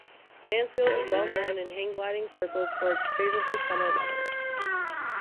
Mansfield is well known in hang gliding circles for its favorable Summer weather.